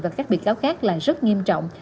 và các bị cáo khác là rất nghiêm trọng